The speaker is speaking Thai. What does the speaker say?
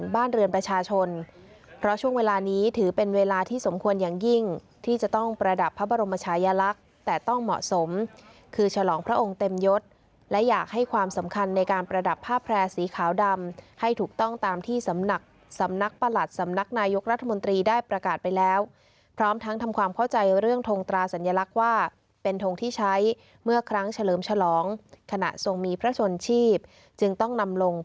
บ้านเรือนประชาชนเพราะช่วงเวลานี้ถือเป็นเวลาที่สมควรอย่างยิ่งที่จะต้องประดับพระบรมชายลักษณ์แต่ต้องเหมาะสมคือฉลองพระองค์เต็มยศและอยากให้ความสำคัญในการประดับภาพแพรสีขาวดำให้ถูกต้องตามที่สำนักสำนักประหลัดสำนักนายุครัฐมนตรีได้ประกาศไปแล้วพร้อมทั้งทำความเข้าใจเรื่องทงตร